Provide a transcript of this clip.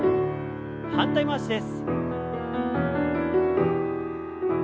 反対回しです。